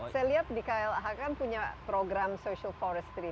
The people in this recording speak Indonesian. saya lihat di klh kan punya program social forestry